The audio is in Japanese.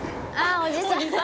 おじさん！